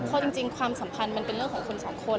เพราะจริงความสัมพันธ์มันเป็นเรื่องของคนสองคน